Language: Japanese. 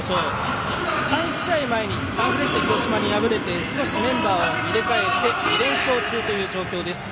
３試合前にサンフレッチェ広島に敗れて少しメンバーを入れ替えて連勝中という状況です。